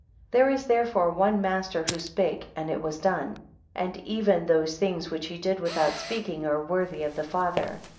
20 There is therefore one master who spake, and it was done; and even those things which he did without speaking, are worthy of the Father.